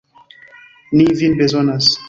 Ni vin bezonas!